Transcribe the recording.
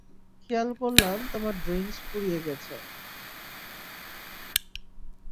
খেয়াল করলাম, তোমার ড্রিংক্স ফুরিয়ে গেছে।